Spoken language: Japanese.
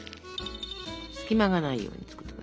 隙間がないように作ってください。